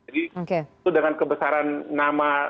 jadi itu dengan kebesaran nama